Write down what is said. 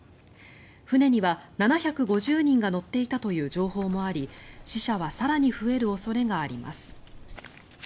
船には７５０人が乗っていたという情報もあり死者は更に増える恐れがあります。